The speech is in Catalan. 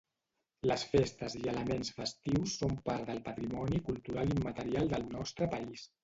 Les festes i elements festius són part del patrimoni cultural immaterial del nostre país.